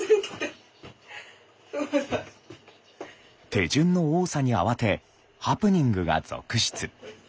手順の多さに慌てハプニングが続出。